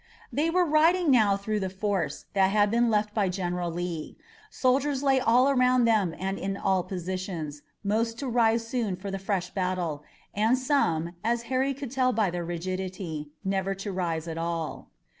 They were riding now through the force that had been left by General Lee. Soldiers lay all around them and in all positions, most to rise soon for the fresh battle, and some, as Harry could tell by their rigidity, never to rise at all.